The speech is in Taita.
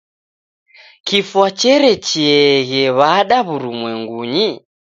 Kifwa cherecheeghe w'ada w'urumwengunyi?